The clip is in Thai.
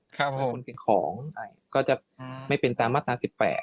ของสิ่งของก็จะไม่เป็นตามมาตรา๑๘